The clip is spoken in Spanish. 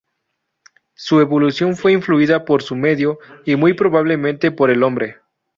Su evolución fue influida por su medio y muy probablemente por el hombre.